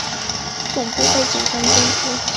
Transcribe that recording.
总部被警方监控。